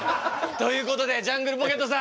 ということでジャングルポケットさん